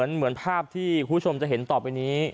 เหมือนภาพที่คุณผู้ชมจะเห็นต่อไปนี้